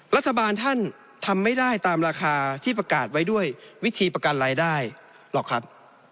รัฐบาลท่านทำไม่ได้ตามราคาที่ประกาศไว้ด้วยวิธีประกันรายได้หรอกครับ